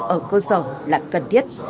ở cơ sở là cần thiết